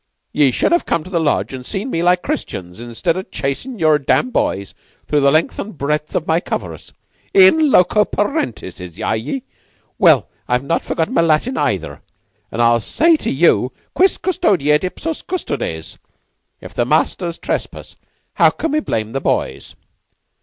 Ye should have come to the Lodge an' seen me like Christians, instead of chasin' your dam' boys through the length and breadth of my covers. In loco parentis ye are? Well, I've not forgotten my Latin either, an' I'll say to you: 'Quis custodiet ipsos custodes.' If the masters trespass, how can we blame the boys?"